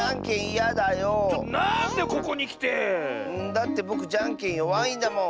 だってぼくじゃんけんよわいんだもん。